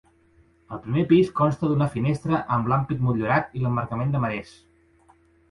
El primer pis consta d'una finestra amb l'ampit motllurat i l'emmarcament de marès.